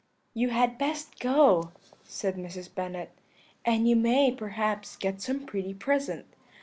"'You had best go,' said Mrs. Bennet, 'and you may, perhaps, get some pretty present.